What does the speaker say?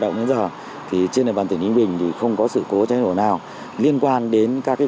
động đến giờ thì trên nền bản tỉnh ninh bình thì không có sự cố cháy nổ nào liên quan đến các cái